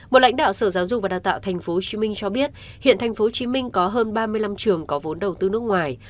một lãnh đạo sở giáo dục và đào tạo tp hcm cho biết hiện tp hcm có hơn ba mươi năm trường có vốn đầu tư nước ngoài